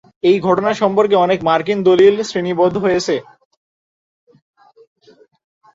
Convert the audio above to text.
এই ঘটনা সম্পর্কে অনেক মার্কিন দলিল শ্রেণীবদ্ধ রয়েছে।